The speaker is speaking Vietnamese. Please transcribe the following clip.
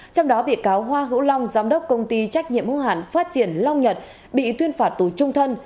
trong đó bị cáo hoa hữu long giám đốc công ty trách nhiệm hữu hạn phát triển long nhật bị tuyên phạt tù trung thân